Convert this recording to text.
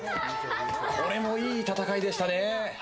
これもいい戦いでしたね。